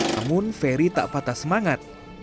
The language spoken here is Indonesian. namun ferry tak patah semangat